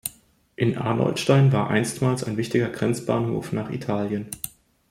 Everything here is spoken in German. In Arnoldstein war einstmals ein wichtiger Grenzbahnhof nach Italien.